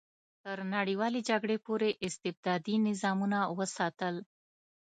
تر نړیوالې جګړې پورې استبدادي نظامونه وساتل.